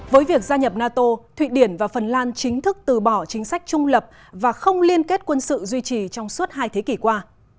với việc gia nhập nato thụy điển và phần lan chính thức từ bỏ chính sách trung lập và không liên kết quân sự duy trì trong suốt hai thế kỷ qua